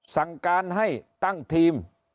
สั่งการให้ตั้งทีม